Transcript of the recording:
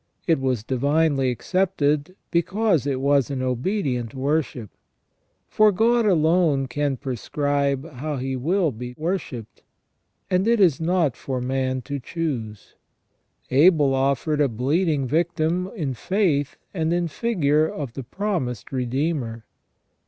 It was divinely accepted, because it was an obedient worship. For God alone can prescribe how He THE SECONDARY IMAGE OF GOD IN MAN. 71 will be worshipped, and it is not for man to choose. Abel offered a bleeding victim in faith and in figure of the promised Redeemer.